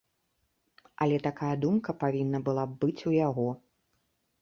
Але такая думка павінна была б быць у яго.